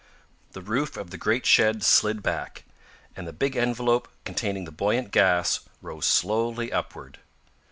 The roof of the great shed slid back, and the big envelope containing the buoyant gas rose slowly upward.